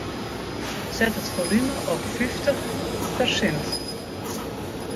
Set it folume op fyftich persint.